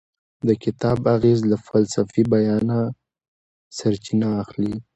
د کتاب اغیز له فلسفي بیانه سرچینه اخلي.